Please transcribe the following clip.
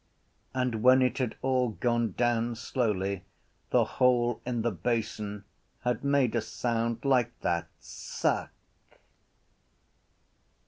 And when it had all gone down slowly the hole in the basin had made a sound like that: suck.